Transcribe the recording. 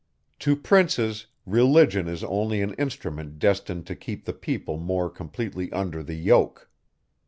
To princes, Religion is only an instrument destined to keep the people more completely under the yoke.